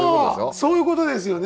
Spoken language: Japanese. そういうことですよね！